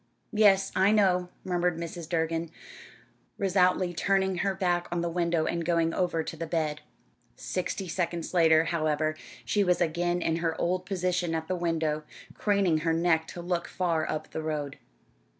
"Yes, I know," murmured Mrs. Durgin, resolutely turning her back on the window and going over to the bed. Sixty seconds later, however, she was again in her old position at the window, craning her neck to look far up the road.